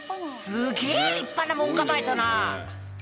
すげえ立派な門構えだな。